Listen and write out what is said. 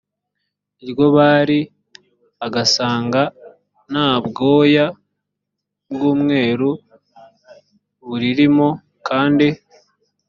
iryo bara agasanga nta bwoya bw umweru buririmo kandi